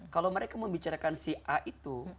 kalau mereka membicarakan si a itu